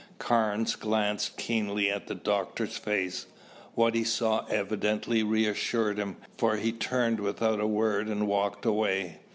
Carnes glanced keenly at the doctor's face. What he saw evidently reassured him for he turned without a word and walked away.